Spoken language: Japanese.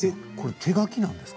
手描きなんですか。